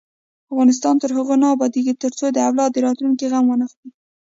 افغانستان تر هغو نه ابادیږي، ترڅو د اولاد د راتلونکي غم ونه خورئ.